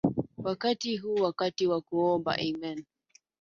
Wakati huu ni wakati wa kuomba